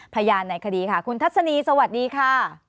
พยานในคดีค่ะคุณทัศนีสวัสดีค่ะ